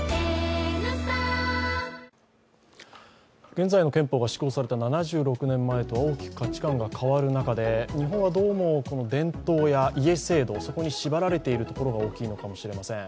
現在の憲法が施行された７６年前とは、大きく価値観が変わる中日本はどうも、伝統や家制度、そこに縛られているところが大きいのかもしれません。